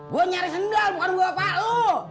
gue nyari sendal bukan buapalu